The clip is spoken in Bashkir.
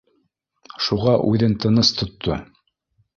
Шуға үҙен тыныс тотто